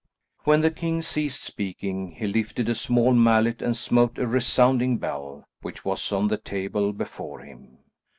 When the king ceased speaking he lifted a small mallet and smote a resounding bell, which was on the table before him.